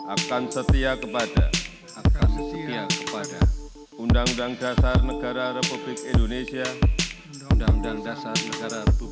akan setia kepada undang undang dasar negara republik indonesia